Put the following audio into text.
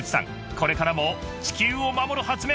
これからも地球を守る発明